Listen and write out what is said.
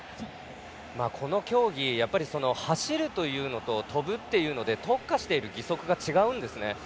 この競技、走るというのと跳ぶっていうので特化している義足が違うんです。